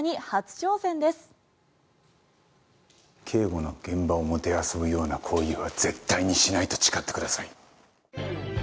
警護の現場をもてあそぶような行為は絶対にしないと誓ってください。